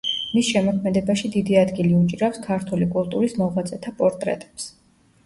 მის შემოქმედებაში დიდი ადგილი უჭირავს ქართული კულტურის მოღვაწეთა პორტრეტებს.